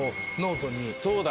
そうだ！